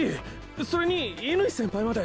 それに乾先輩まで。